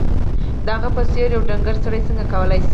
د هغه په څېر یو ډنګر سړی څنګه کولای شي